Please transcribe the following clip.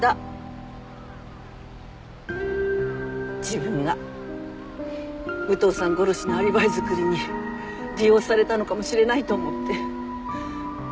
自分が武藤さん殺しのアリバイ作りに利用されたのかもしれないと思って。